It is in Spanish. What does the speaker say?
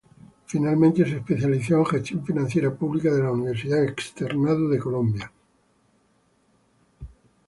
Finalmente, se especializó en Gestión Financiera Pública de la Universidad Externado de Colombia.